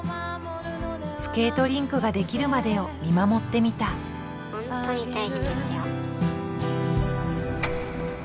スケートリンクが出来るまでを見守ってみたえ